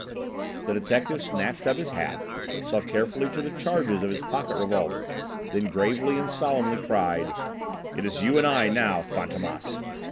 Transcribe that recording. The detective snatched up his hat, saw carefully to the charges of his pocket revolver, then gravely and solemnly cried: "It is you and I now, Fantômas!"